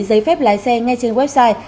giấy phép lái xe ngay trên website